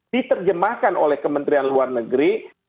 diterjemahkan oleh kementerian luar negeri